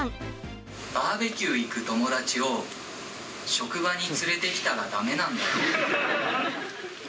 バーベキュー行く友達を職場に連れてきたらダメなんだよ。